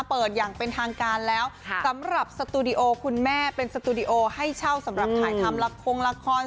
อย่างเป็นทางการแล้วสำหรับสตูดิโอคุณแม่เป็นสตูดิโอให้เช่าสำหรับถ่ายทำละครงละคร